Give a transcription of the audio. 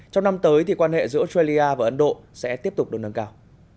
trong năm tới thì quan hệ giữa australia và ấn độ sẽ tiếp tục được nâng cao